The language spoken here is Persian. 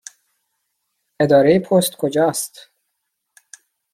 اداره پست کجا است؟